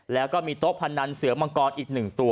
แล้วก็มีโต๊ะพนันเสือมังกรอีก๑ตัว